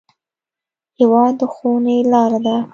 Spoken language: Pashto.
هېواد د ښوونې لار ده.